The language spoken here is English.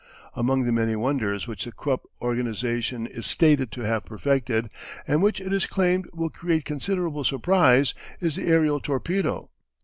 Among the many wonders which the Krupp organisation is stated to have perfected, and which it is claimed will create considerable surprise, is the aerial torpedo.